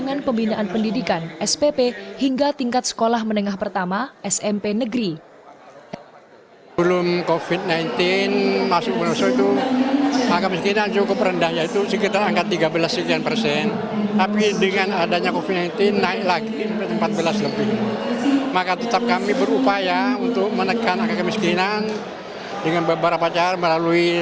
dengan pembinaan pendidikan spp hingga tingkat sekolah menengah pertama smp negeri